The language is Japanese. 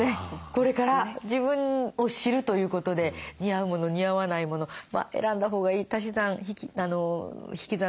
これから自分を知るということで似合うもの似合わないもの選んだほうがいい足し算引き算